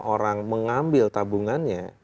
orang mengambil tabungannya